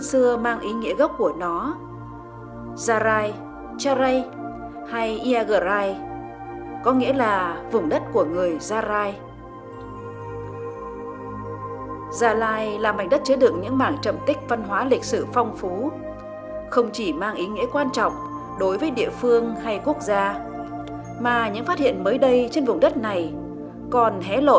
xin chào và hẹn gặp lại các bạn trong những video tiếp theo